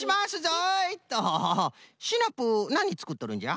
シナプーなにつくっとるんじゃ？